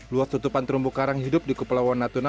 luas tutupan terumbu karang hidup di kepulauan natuna